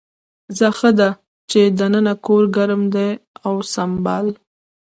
ځه ښه ده چې دننه کور ګرم دی اوسمهال.